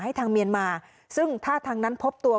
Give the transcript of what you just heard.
ทางเมียนมาซึ่งถ้าทางนั้นพบตัว